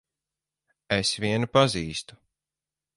Es vienu pazīstu.